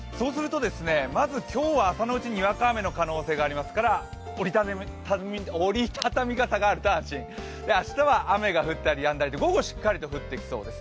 まず今日は朝のうち、にわか雨の可能性がありますから折り畳み傘があると安心、明日は雨が降ったりやんだりと午後、しっかりと降ってきそうです